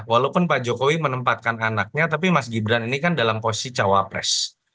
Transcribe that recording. walaupun pak jokowi menempatkan anaknya tapi mas gibran ini kan dalam posisi cawapres